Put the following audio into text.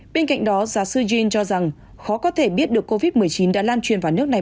bên cạnh đó giáo sư jin cho rằng khó có thể biết được covid một mươi chín đã lan truyền vào nước này